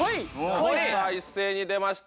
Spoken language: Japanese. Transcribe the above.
一斉に出ました